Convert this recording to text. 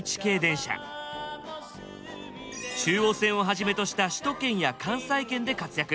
中央線をはじめとした首都圏や関西圏で活躍。